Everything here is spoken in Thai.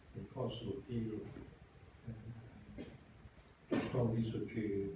เป็นข้อส่วนที่ข้อวิสุทธิ์คือ